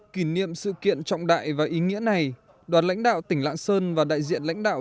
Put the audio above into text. kỷ niệm sự kiện trọng đại và ý nghĩa này đoàn lãnh đạo tỉnh lạng sơn và đại diện lãnh đạo